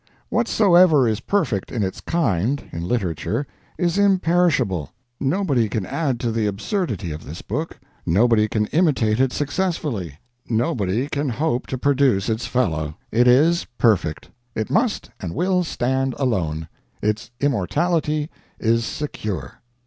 Whatsoever is perfect in its kind, in literature, is imperishable: nobody can imitate it successfully, nobody can hope to produce its fellow; it is perfect, it must and will stand alone: its immortality is secure.